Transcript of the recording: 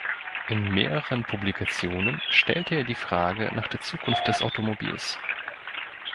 In mehreren Publikationen stellte er die Frage nach der Zukunft des Automobils.